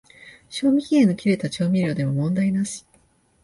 賞味期限の切れた調味料でも問題なし